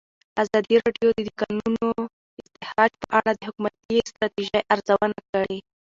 ازادي راډیو د د کانونو استخراج په اړه د حکومتي ستراتیژۍ ارزونه کړې.